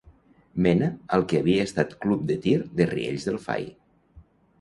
Mena al que havia estat club de tir de Riells del Fai.